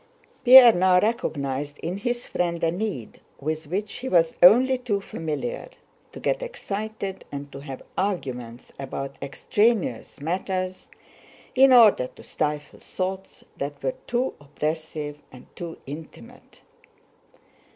Pierre now recognized in his friend a need with which he was only too familiar, to get excited and to have arguments about extraneous matters in order to stifle thoughts that were too oppressive and too intimate.